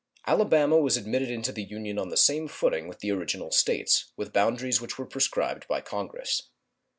Alabama was admitted into the Union on the same footing with the original States, with boundaries which were prescribed by Congress.